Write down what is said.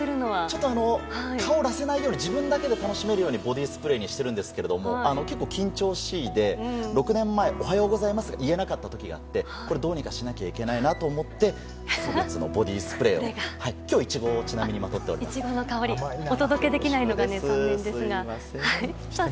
ちょっと、香らせないように、自分だけで楽しめるように、ボディースプレーにしてるんですけど、結構緊張しいで６年前、おはようございますが言えなかったときがあって、これ、どうにかしなきゃいけないなと思って、イチゴのボディースプレーを、きょう、イチゴを、ちなみにまとイチゴの香り、お届けできなすみません。